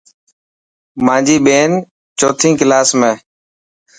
مانجي ٻين چوتي ڪلاس ۾.